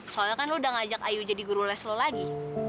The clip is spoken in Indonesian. soalnya kan lo udah ngajak ayu jadi guru les lo lagi